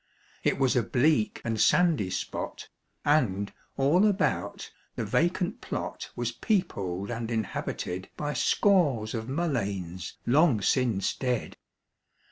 It was a bleak and sandy spot, And, all about, the vacant plot Was peopled and inhabited By scores of mulleins long since dead.